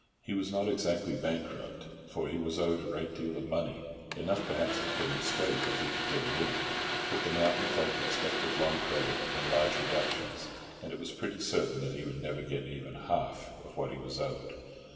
He was not exactly bankrupt, for he was owed a great deal of money, enough perhaps to put him straight if he could get it in; but the mountain folk expected long credit and large reductions, and it was pretty certain that he would never get even half of what he was owed.